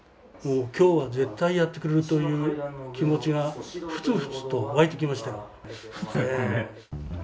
きょうは絶対やってくれるという気持ちが、ふつふつとわいてきましたよ。